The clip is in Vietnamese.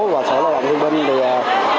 và sở lao động huyên viên